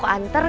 cara yang keren